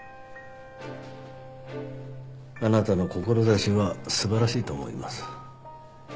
あなたの志は素晴らしいと思います。